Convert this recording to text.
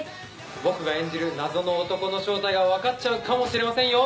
僕が演じる謎の男の正体が分かっちゃうかもしれませんよ